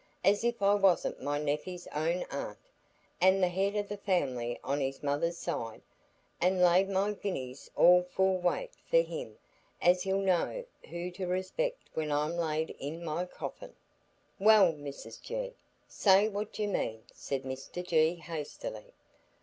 As if I wasn't my nephey's own aunt, and the head o' the family on his mother's side! and laid by guineas, all full weight, for him, as he'll know who to respect when I'm laid in my coffin." "Well, Mrs G., say what you mean," said Mr G., hastily.